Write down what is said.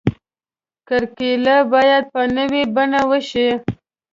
کرکیله باید په نوې بڼه وشي.